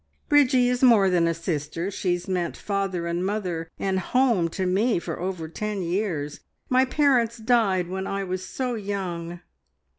"Bridgie is more than a sister. She's meant father and mother and home to me for over ten years. My parents died when I was so young."